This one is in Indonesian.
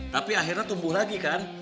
tapi akhirnya tumbuh lagi kan